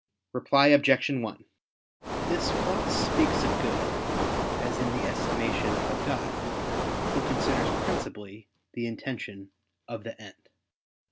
Reply Obj. 1: This gloss speaks of good as in the estimation of God, Who considers principally the intention of the end.